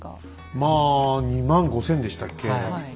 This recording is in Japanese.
まあ２万５，０００でしたっけ？